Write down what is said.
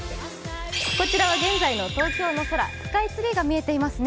こちらは現在の東京の空すかツリーが見えています。